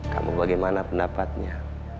kamu bagaimana pendapatnya